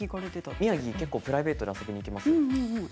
宮城はプライベートで遊びに行きますよ。